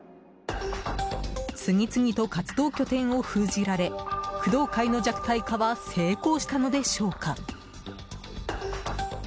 次々と活動拠点を封じられ工藤会の弱体化は成功したのでしょうか？